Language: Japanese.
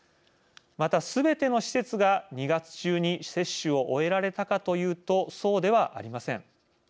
また、すべての施設が２月中に接種を終えられたかというと、そうではありません。